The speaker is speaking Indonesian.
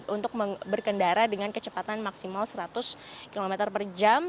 untuk berkendara dengan kecepatan maksimal seratus km per jam